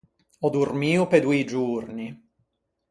Ò dormio pe doî giorni.